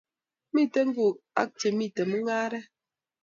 Miten kuk aka che miten mungeret